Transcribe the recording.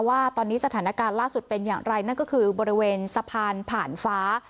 ว่าตอนนี้สถานการณ์ล่าสุดเป็นอย่างไรนั่นก็คือบริเวณสะพานผ่านฟ้า